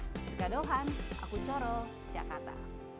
jika dohan aku coro jakarta